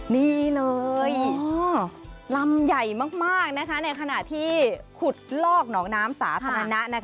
นี่เลยลำใหญ่มากในขณะที่ขุดลอกหนองน้ำสาธารณะ